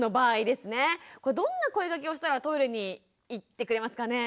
これどんな声がけをしたらトイレに行ってくれますかね？